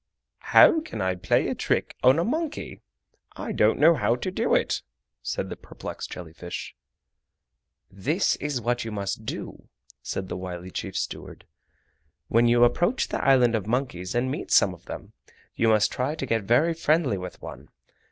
"How can I play a trick on a monkey? I don't know how to do it," said the perplexed jelly fish. "This is what you must do," said the wily chief steward. "When you approach the Island of Monkeys and meet some of them, you must try to get very friendly with one.